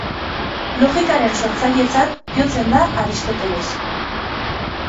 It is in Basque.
Logikaren sortzailetzat jotzen da Aristoteles.